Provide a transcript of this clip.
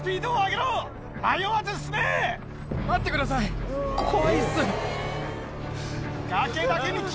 待ってください怖いっす。